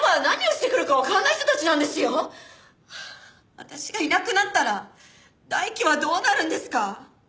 私がいなくなったら大樹はどうなるんですか！？